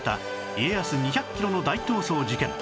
家康２００キロの大逃走事件